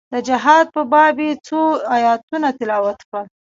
د جهاد په باب يې څو ايتونه تلاوت کړل.